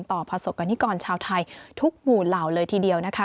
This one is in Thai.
ประสบกรณิกรชาวไทยทุกหมู่เหล่าเลยทีเดียวนะคะ